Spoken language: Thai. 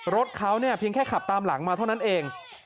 รถเขาเนี่ยเพียงแค่ขับตามหลังมาเท่านั้นเอง